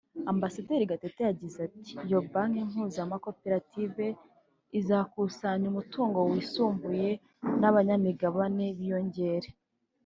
Ambasaderi Gatete yagize ati ”Iyo Banki mpuzamakorative izakusanya umutungo wisumbuye n’abanyamigabane biyongere